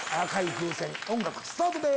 音楽スタートです。